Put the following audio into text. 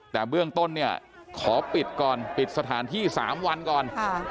แต่เบื้องต้นเนี่ยขอปิดก่อนปิดสถานที่๓วันก่อน